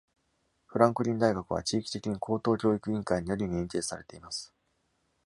フランクリン大学は、地域的に高等教育委員会により認定されています。